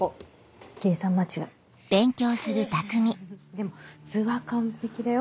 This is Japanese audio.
でも図は完璧だよ